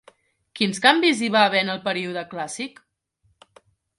Quins canvis hi va haver en el període clàssic?